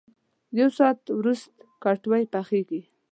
یو ساعت ورست کټوۍ پخېږي.